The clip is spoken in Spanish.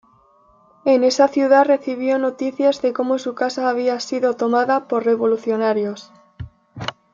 En esa ciudad recibió noticias de cómo su casa había sido tomada por revolucionarios.